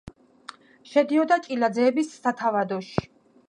შედიოდა ჭილაძეების სათავადოში.